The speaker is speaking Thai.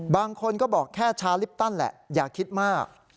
บางคนก็บอกแค่ชาลิปตันแหละอย่าคิดมาก